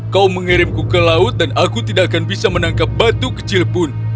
kau mengirimku ke laut dan aku tidak akan bisa menangkap batu kecil pun